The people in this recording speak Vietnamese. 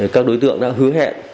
các đối tượng đã hứa hẹn